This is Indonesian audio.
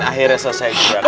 akhirnya selesai juga kak